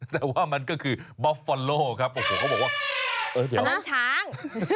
แต่ว่ามันก็คือบอฟฟอลโลครับโอ้โหเขาบอกว่าเออเดี๋ยวมันช้าง